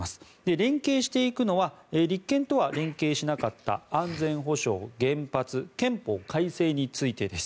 連携していくのは立憲とは連携しなかった安全保障、原発憲法改正についてです。